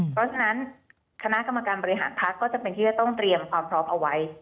เพราะฉะนั้นคณะกรรมการบริหารพักก็จำเป็นที่จะต้องเตรียมความพร้อมเอาไว้